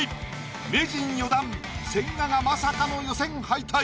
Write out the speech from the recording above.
名人４段千賀がまさかの予選敗退。